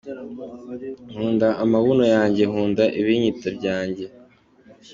Nkunda amabuno yanjye nkunda ibinyita byanjye.